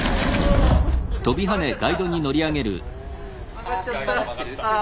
曲がっちゃったあ。